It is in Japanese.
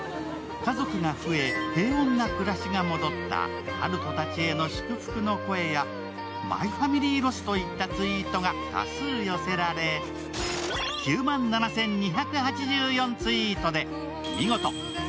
家族が増え、平穏な暮らしが戻った温人たちへの祝福の声や「マイファミリー」ロスといったツイーが多数寄せられました。